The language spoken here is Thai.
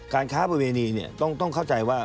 ค้าประเวณีต้องเข้าใจว่า